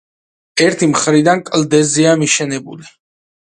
ერთი მხრიდან კლდეზეა მიშენებული.